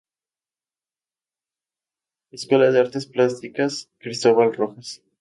Escuela de Artes Plásticas Cristóbal Rojas.